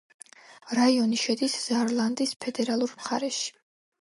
რაიონი შედის ზაარლანდის ფედერალურ მხარეში.